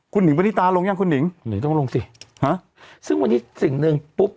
คุณหิงปณิตาลงยังคุณหนิงหนิงต้องลงสิฮะซึ่งวันนี้สิ่งหนึ่งปุ๊บ